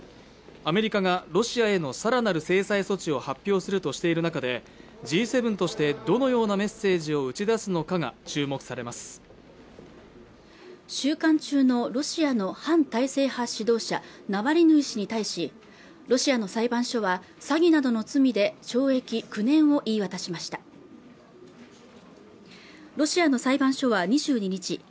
アメリカがロシアへのさらなる制裁措置を発表するとしている中でＧ７としてどのようなメッセージを打ち出すのかが注目されます収監中のロシアの反体制派指導者ナワリヌイ氏に対しロシアの裁判所は詐欺などの罪で懲役９年を言い渡しましたロシアの裁判所は２２日